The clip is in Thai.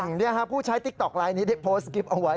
นี่ค่ะผู้ชายติ๊กต๊อกลายนี้ได้โพสต์กิ๊บเอาไว้